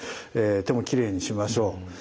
手もきれいにしましょう。